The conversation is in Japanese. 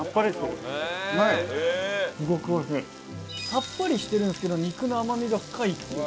さっぱりしてるんですけど肉の甘みが深いっていう。